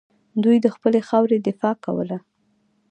دوی د خپلې خاورې دفاع کوله